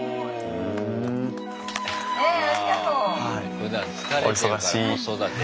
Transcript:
ふだん疲れてるから子育てで。